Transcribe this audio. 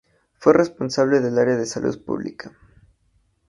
Fue responsable del Área de Salud Pública.